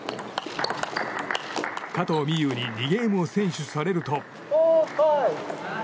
加藤美優に２ゲームを先取されると。